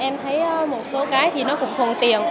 em thấy một số cái thì nó cũng thuận tiện